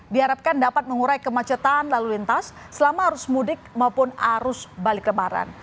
diharapkan dapat mengurai kemacetan lalu lintas selama arus mudik maupun arus balik lebaran